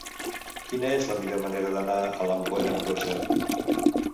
Quina és la millor manera d'anar a l'Ampolla amb cotxe?